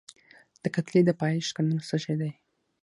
د کتلې د پایښت قانون څه شی دی؟